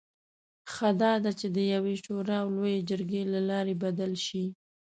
ښه دا ده چې د یوې شورا او لویې جرګې له لارې بدل شي.